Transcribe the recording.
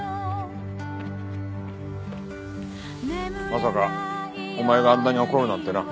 まさかお前があんなに怒るなんてな。